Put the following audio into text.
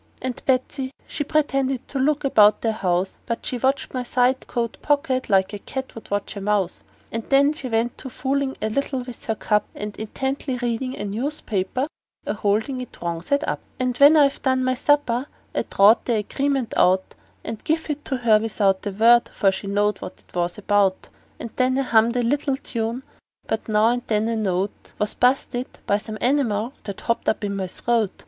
And Betsey, she pretended to look about the house, But she watched my side coat pocket like a cat would watch a mouse: And then she went to foolin' a little with her cup, And intently readin' a newspaper, a holdin' it wrong side up. "AND INTENTLY READIN' A NEWSPAPER, A HOLDIN' IT WRONG SIDE UP." And when I'd done my supper I drawed the agreement out, And give it to her without a word, for she knowed what 'twas about; And then I hummed a little tune, but now and then a note Was bu'sted by some animal that hopped up in my throat.